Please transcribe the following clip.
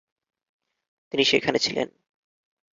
তিনি সেখানে ছিলেন।